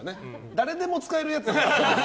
誰でも使えるやつだから。